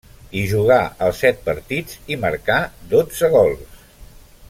Hi jugà els set partits, i marcà dotze gols.